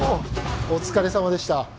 お疲れさまでした。